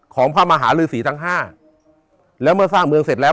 ของพระมหาลือศรีทั้งห้าแล้วเมื่อสร้างเมืองเสร็จแล้ว